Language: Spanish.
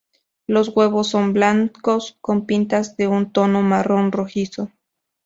Los huevos son blancos con pintas de un tono marrón rojizo.